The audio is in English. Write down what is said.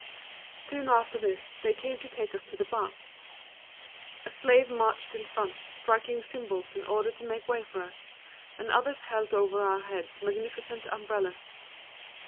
Soon after this they came to take us to the bath. A slave marched in front, striking cymbals in order to make way for us, and others held over our heads magnificent umbrellas.